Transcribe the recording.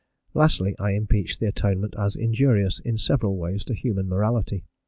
Lastly, I impeach the Atonement as injurious in several ways to human morality.